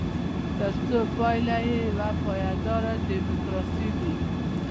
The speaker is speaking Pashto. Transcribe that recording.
ترڅو پایله یې یوه پایداره ډیموکراسي وي.